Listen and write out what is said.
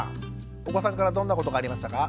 お子さんからどんなことがありましたか？